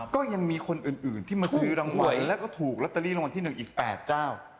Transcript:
ก็ยังมีคนอื่นที่มาซื้อรางวัลแล้วก็ถูกลอตเตอรี่รางวัลที่๑อีก๘เจ้า